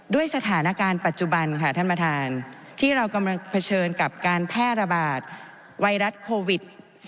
ด้วยสถานการณ์ปัจจุบันค่ะท่านประธานที่เรากำลังเผชิญกับการแพร่ระบาดไวรัสโควิด๑๙